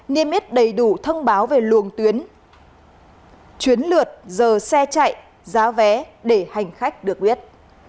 niêm yết đầy đủ thông báo về luồng tuyến chuyến lượt giờ xe chạy giá vé để hành khách được biết